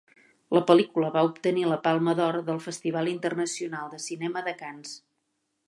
La pel·lícula va obtenir la Palma d'Or del Festival Internacional de Cinema de Canes.